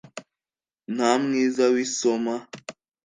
nta mwiza wisoma